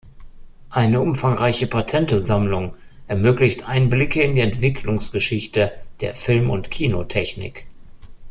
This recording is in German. Eine umfangreiche Patente-Sammlung ermöglicht Einblicke in die Entwicklungsgeschichte der Film- und Kinotechnik.